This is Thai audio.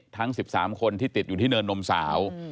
ทั้ง๑๓คนที่ติดอยู่ที่เนินนมสาว